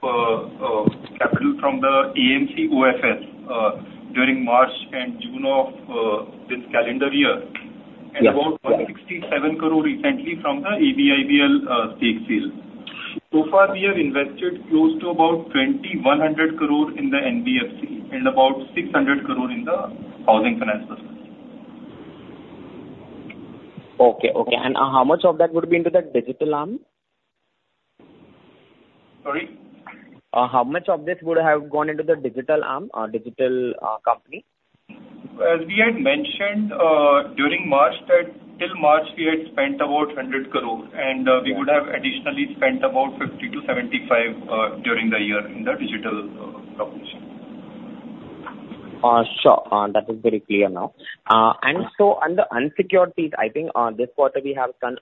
capital from the AMC OFS during March and June of this calendar year. And about 167 crores recently from the ABIBL stake sale. So far, we have invested close to about 2,100 crores in the NBFC and about 600 crores in the housing finance business. Okay. Okay. And how much of that would be into the digital arm? Sorry? How much of this would have gone into the digital arm, digital company? As we had mentioned during March, till March, we had spent about 100 crores. And we would have additionally spent about 50-75 crore during the year in the digital proposition. Sure. That is very clear now. And so on the unsecured piece, I think this quarter we have done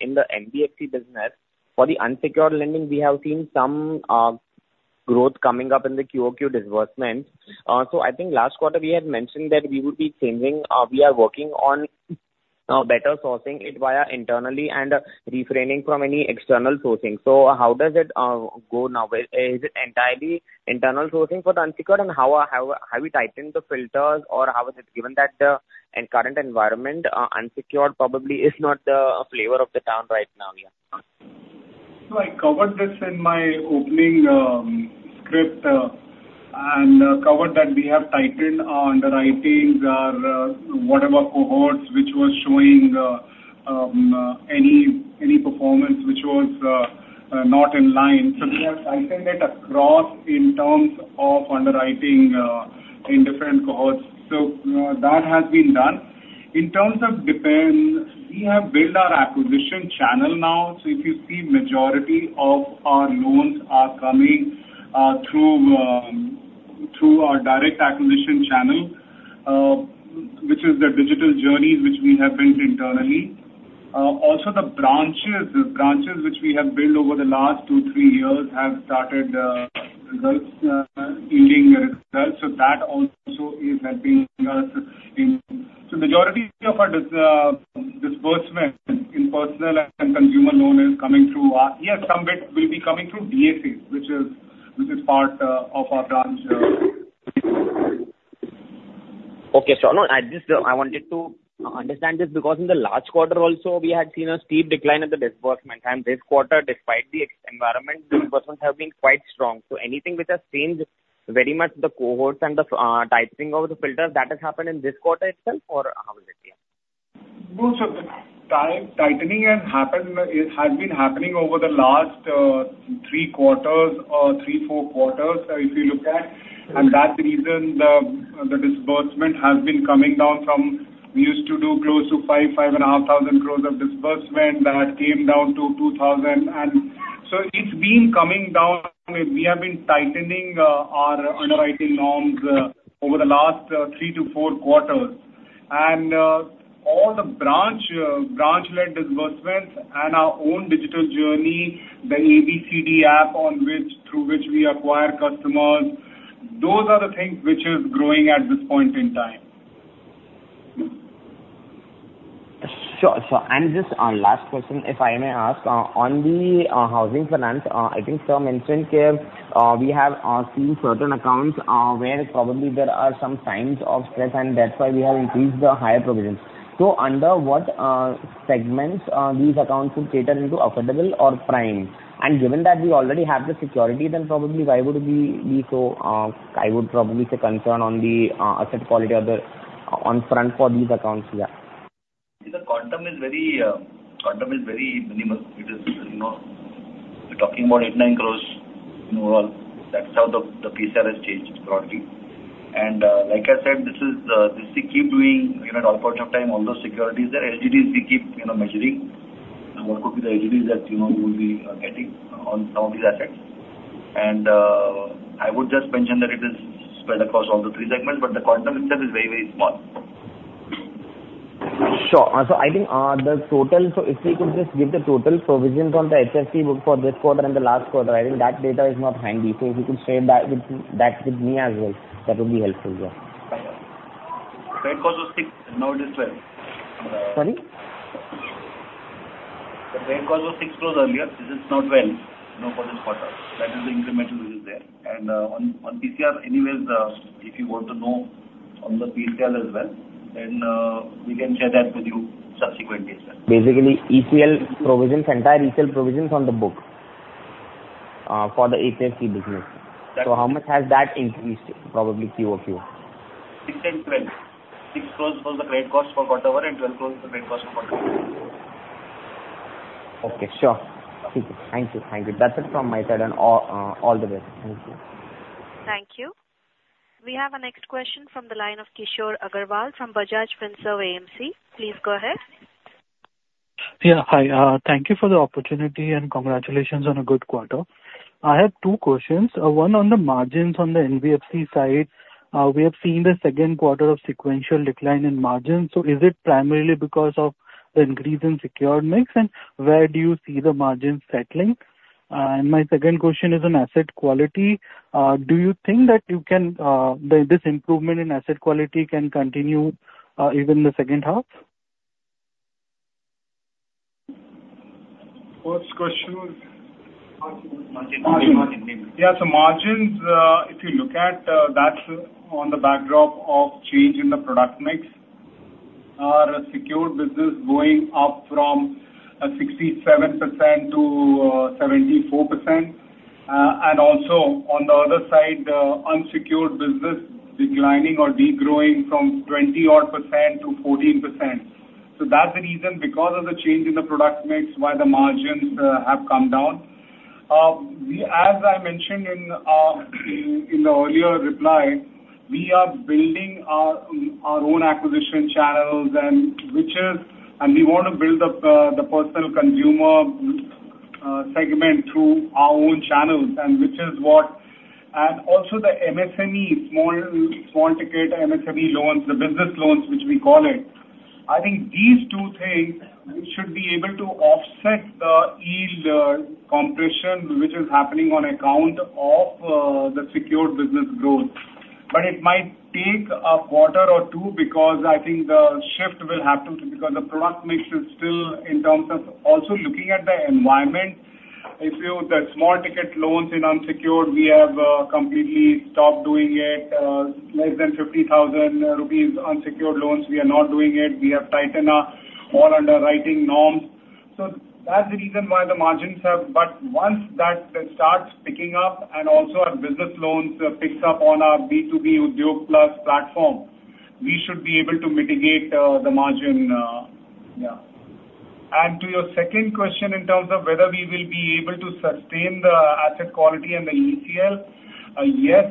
in the NBFC business, for the unsecured lending, we have seen some growth coming up in the QOQ disbursement. So I think last quarter, we had mentioned that we would be changing. We are working on better sourcing it via internally and refraining from any external sourcing. So how does it go now? Is it entirely internal sourcing for the unsecured, and have we tightened the filters, or how is it given that the current environment, unsecured, probably is not the flavor of the town right now? Yeah. So I covered this in my opening script and covered that we have tightened underwritings, whatever cohorts, which was showing any performance which was not in line. So we have tightened it across in terms of underwriting in different cohorts. So that has been done. In terms of demand, we have built our acquisition channel now. So if you see, majority of our loans are coming through our direct acquisition channel, which is the digital journeys which we have built internally. Also, the branches, the branches which we have built over the last two, three years have started yielding results. So that also is helping us in. So majority of our disbursement in personal and consumer loan is coming through. Yes, some bit will be coming through DSA, which is part of our branch. Okay. Sure. No, I wanted to understand this because in the last quarter also, we had seen a steep decline in the disbursement. And this quarter, despite the environment, disbursements have been quite strong. So anything which has changed very much the cohorts and the tightening of the filters, that has happened in this quarter itself, or how is it? Both of them. Tightening has been happening over the last three quarters or three, four quarters, if you look at. And that's the reason the disbursement has been coming down from we used to do close to 5,000-5,500 crores of disbursement that came down to 2,000. And so it's been coming down. We have been tightening our underwriting norms over the last three to four quarters. And all the branch-led disbursements and our own digital journey, the ABCD app through which we acquire customers, those are the things which are growing at this point in time. Sure. Sure. And just our last question, if I may ask, on the housing finance, I think Sir mentioned here we have seen certain accounts where probably there are some signs of stress, and that's why we have increased the higher provisions. So under what segments these accounts would cater into? Affordable or prime? And given that we already have the security, then probably why would we be so I would probably say concerned on the asset quality on front for these accounts? Yeah. The quantum is very minimal. We're talking about 8-9 crores in overall. That's how the PCR has changed broadly. Like I said, this is we keep doing at all points of time, all those securities there, LGDs we keep measuring. What would be the LGDs that we will be getting on some of these assets? I would just mention that it is spread across all the three segments, but the quantum itself is very, very small. Sure. I think the total, so if we could just give the total provisions on the HFC book for this quarter and the last quarter, I think that data is not handy. If you could share that with me as well, that would be helpful. Yeah. Provision was six. Now it is 12. Sorry? The provision was six crores earlier. This is now 12 for this quarter. That is the incremental which is there. And on PCR anyways, if you want to know on the PCR as well, then we can share that with you subsequently as well. Basically, ECL provisions, entire ECL provisions on the book for the HFC business. So how much has that increased probably QOQ? 6 and 12. 6 crores was the credit cost for quarter one and 12 crores was the credit cost for quarter two. Okay. Sure. Okay. Thank you. Thank you. That's it from my side. And all the best. Thank you. Thank you. We have a next question from the line of Kishore Agrawal from Bajaj Finserv AMC. Please go ahead. Yeah. Hi. Thank you for the opportunity and congratulations on a good quarter. I have two questions. One on the margins on the NBFC side. We have seen the second quarter of sequential decline in margins. So is it primarily because of the increase in secured mix, and where do you see the margins settling? And my second question is on asset quality. Do you think that this improvement in asset quality can continue even in the second half? What's Kishore? Yeah. So margins, if you look at, that's on the backdrop of change in the product mix. Our secured business going up from 67% to 74%. And also on the other side, the unsecured business declining or degrowing from 20-odd% to 14%. So that's the reason because of the change in the product mix why the margins have come down. As I mentioned in the earlier reply, we are building our own acquisition channels, and we want to build up the personal consumer segment through our own channels, which is what and also the MSME, small ticket MSME loans, the business loans, which we call it. I think these two things should be able to offset the yield compression which is happening on account of the secured business growth. But it might take a quarter or two because I think the shift will have to because the product mix is still in terms of also looking at the environment. If you have the small ticket loans in unsecured, we have completely stopped doing it. Less than 50,000 rupees unsecured loans, we are not doing it. We have tightened up all underwriting norms. So that's the reason why the margins have. But once that starts picking up and also our business loans pick up on our B2B Udyog Plus platform, we should be able to mitigate the margin. Yeah. And to your second question in terms of whether we will be able to sustain the asset quality and the ECL, yes,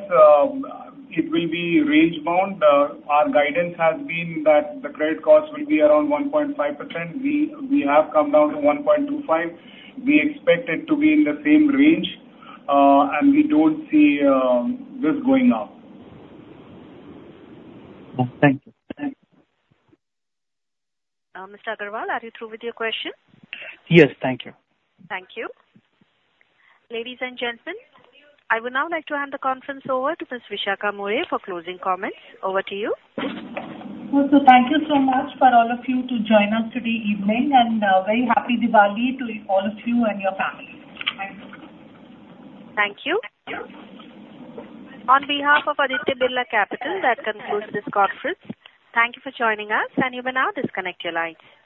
it will be range-bound. Our guidance has been that the credit cost will be around 1.5%. We have come down to 1.25%. We expect it to be in the same range, and we don't see this going up. Thank you. Mr. Agarwal, are you through with your question? Yes. Thank you. Thank you. Ladies and gentlemen, I would now like to hand the conference over to Ms. Vishakha Mulye for closing comments. Over to you. So thank you so much for all of you to join us today evening, and very happy Diwali to all of you and your family. Thank you. Thank you. On behalf of Aditya Birla Capital, that concludes this conference. Thank you for joining us, and you may now disconnect your lines.